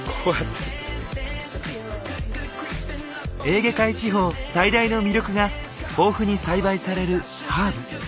エーゲ海地方最大の魅力が豊富に栽培されるハーブ。